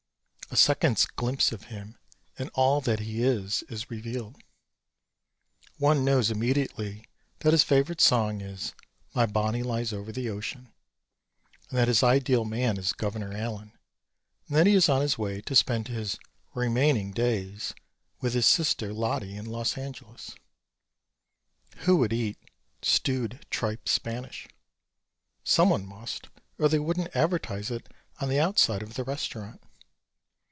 A second's glimpse of him and all that he is is revealed. One knows immediately that his favorite song is "My Bonnie Lies Over the Ocean," and that his ideal man is Governor Allen and that he is on his way to spend his "remaining days" with his sister Lottie in Los Angeles. Who would eat "stewed tripe Spanish." Someone must or they wouldn't advertise it on the outside of he restaurant.